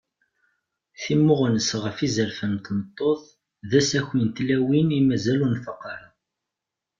Timmuɣnest ɣef yizerfan n tmeṭṭut d asaki n tlawin i mazal ur nfaq ara.